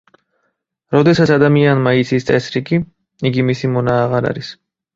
როდესაც ადამიანმა იცის წესრიგი, იგი მისი მონა აღარ არის.